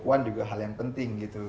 puan juga hal yang penting gitu